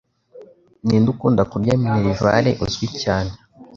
Ninde ukunda kurya minerval uzwi cyane?